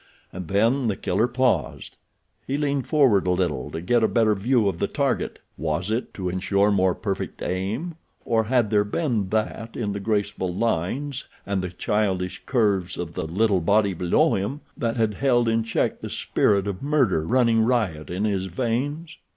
And then The Killer paused. He leaned forward a little to get a better view of the target. Was it to insure more perfect aim, or had there been that in the graceful lines and the childish curves of the little body below him that had held in check the spirit of murder running riot in his veins?